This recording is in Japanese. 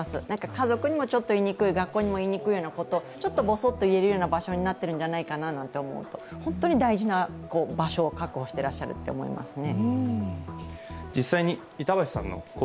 家族にもちょっと言いにくい、学校にも言いにくいようなこと、ちょっとぼそっと言えるような場所になっているんじゃないかと思うと、本当に大事な場所を確保していらっしゃると思いますね。